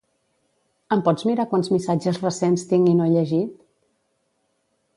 Em pots mirar quants missatges recents tinc i no he llegit?